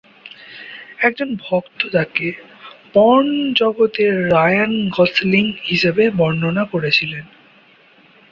একজন ভক্ত তাকে "পর্ন জগতের রায়ান গসলিং" হিসাবে বর্ণনা করেছিলেন।